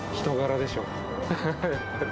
人柄でしょう。